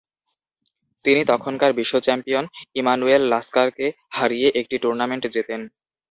তিনি তখনকার বিশ্বচ্যাম্পিয়ন ইমানুয়েল লাস্কারকে হারিয়ে একটি টুর্নামেন্ট জেতেন।